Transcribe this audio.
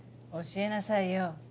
教えなさいよ。